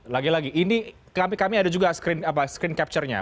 lagi lagi ini kami ada juga screen capture nya